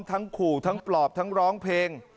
ขู่ทั้งปลอบทั้งร้องเพลง